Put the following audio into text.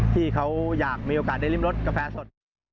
ที่เขาอยากมีโอกาสได้ริมรสกาแฟสด